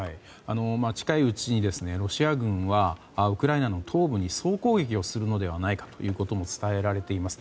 近いうちにロシア軍はウクライナの東部に総攻撃をするのではないかとも伝えられています。